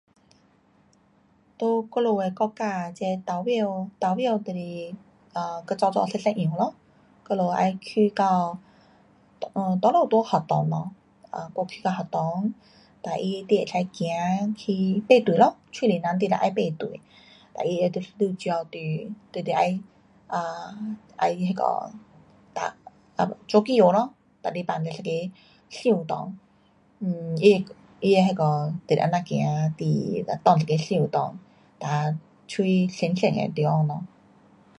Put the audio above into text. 在我们的国家这投票，投票就是跟早早一一样咯，我们要去到[um]多数在学堂咯，[um]我去到学堂，哒他，你可以走去排队咯，许多人你就得排队。哒他会拿一张纸你，你得要，[um]那个要读，做记号咯，哒你放一个箱的内。[um]它，它都那个就是这样走哒放一个箱内，蛮相信的地方咯。